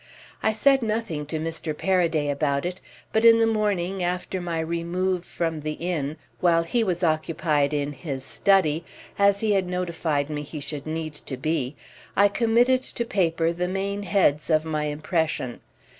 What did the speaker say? I said nothing to Mr. Paraday about it, but in the morning, after my remove from the inn, while he was occupied in his study, as he had notified me he should need to be, I committed to paper the main heads of my impression.